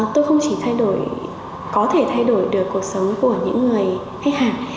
tôi không chỉ thay đổi có thể thay đổi được cuộc sống của những người khách hàng